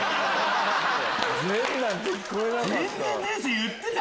言ってた？